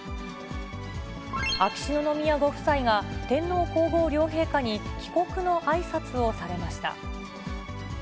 秋篠宮ご夫妻が、天皇皇后両陛下に帰国のあいさつをされました。